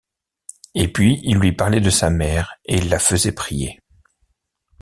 Et puis il lui parlait de sa mère et il la faisait prier.